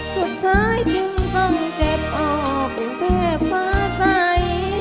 สุดท้ายจึงต้องเจ็บออกปรุงเทพภาษัย